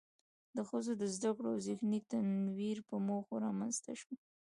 د ښځو د زده کړو او ذهني تنوير په موخه رامنځ ته شوه.